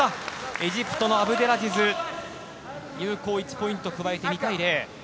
エジプトのアブデラジズ有効１ポイント加えて２対０。